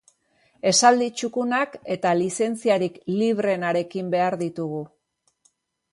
Esaldi txukunak eta lizentziarik libreenarekin behar ditugu.